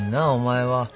あお前は。